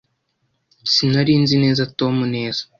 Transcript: Sinari nzi neza Tom neza.